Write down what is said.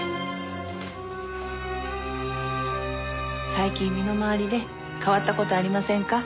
最近身の回りで変わった事ありませんか？